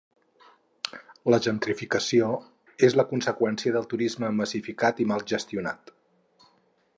La gentrificació és la conseqüència del turisme massificat i mal gestionat.